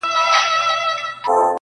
چي اسمان ورته نجات نه دی لیکلی.!